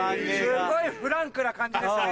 すごいフランクな感じですね。